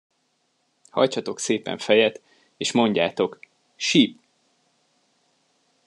Hajtsatok szépen fejet, és mondjátok: Sip!